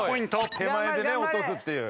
手前でね落とすっていう。